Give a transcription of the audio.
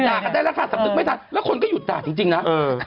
กันได้แล้วค่ะสำนึกไม่ทันแล้วคนก็หยุดด่าจริงนะ